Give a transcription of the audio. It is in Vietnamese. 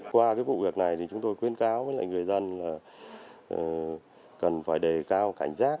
qua cái vụ việc này thì chúng tôi khuyến cáo với lại người dân là cần phải đề cao cảnh giác